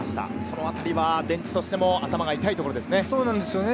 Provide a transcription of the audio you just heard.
そのあたりはベンチとしても頭が痛いとそうなんですよね。